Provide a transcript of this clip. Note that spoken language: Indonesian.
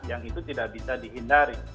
yang itu tidak bisa dihindari